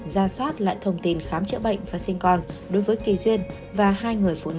ra soát lại thông tin khám chữa bệnh và sinh con đối với kỳ duyên và hai người phụ nữ